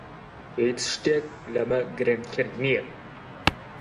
هیچ شتێک لەمە گرنگتر نییە.